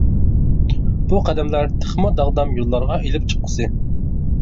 بۇ-قەدەملەر تېخىمۇ داغدام يوللارغا ئېلىپ چىققۇسى.